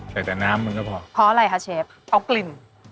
แต่แต่น้ำมันก็พอเพราะอะไรคะเชฟเอากลิ่น